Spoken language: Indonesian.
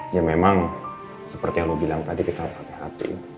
ya memang seperti yang lo bilang tadi kita harus hati hati